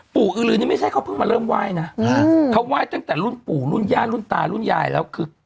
อือลือนี่ไม่ใช่เขาเพิ่งมาเริ่มไหว้นะเขาไหว้ตั้งแต่รุ่นปู่รุ่นย่ารุ่นตารุ่นยายแล้วคือ